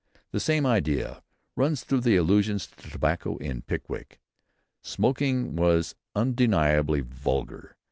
The same idea runs through the allusions to tobacco in "Pickwick." Smoking was undeniably vulgar.